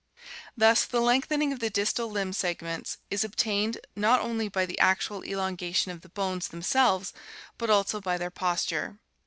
Thus the lengthening of the distal limb seg ments is obtained not only by the actual elongation of the bones themselves but also by their posture.